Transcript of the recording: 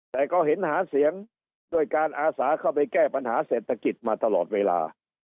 แต่ก็เห็นหาเสียงด้วยการอาสาเข้าไปแก้ปัญหาเศรษฐกิจมาตลอดเวลา